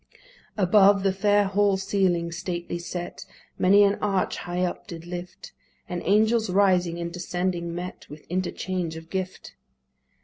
Above, the fair hall ceiling stately set Many an arch high up did lift, And angels rising and descending met With interchange of gift.